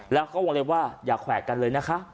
แล้วเขาวงเล็บว่าอย่าแขวะกันเลยนะคะ